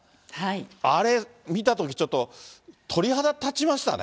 あれ見たとき、ちょっと鳥肌立ちましたね。